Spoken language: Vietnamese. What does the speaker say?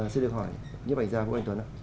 xin được hỏi như vậy ra vũ anh tuấn ạ